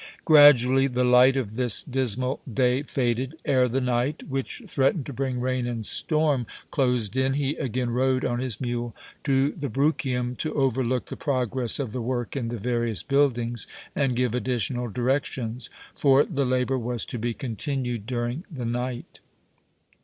Gradually the light of this dismal day faded. Ere the night, which threatened to bring rain and storm, closed in, he again rode on his mule to the Bruchium to overlook the progress of the work in the various buildings and give additional directions, for the labour was to be continued during the night.